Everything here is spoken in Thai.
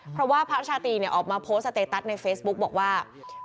เพราะว่าพระชาตรีออกมาโพสต์สเตตัสในเฟซบุ๊กบอกว่า